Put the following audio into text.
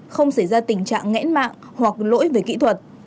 không xảy ra tình trạng nghẽn mạng hoặc lỗi về kỹ thuật